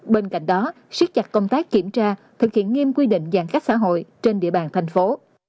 bên cạnh đó siết chặt công tác kiểm tra thực hiện nghiêm quy định giãn cách xã hội trên địa bàn thành phố